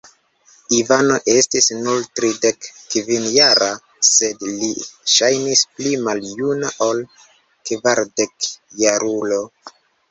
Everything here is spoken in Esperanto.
Ivano estis nur tridekkvinjara, sed li ŝajnis pli maljuna ol kvardekjarulo.